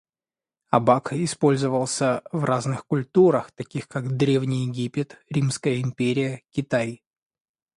Абак использовался в разных культурах, таких как древний Египет, Римская империя, Китай.